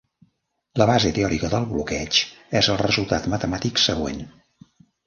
La base teòrica del bloqueig és el resultat matemàtic següent.